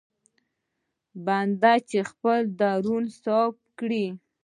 بنده چې خپل درون صفا کړي.